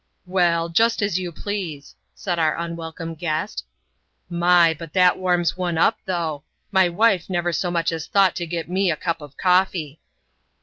"Well, just as you please," said our unwelcome guest. "My! but that warms one up though! My wife never so much as thought to get me a cup of coffee."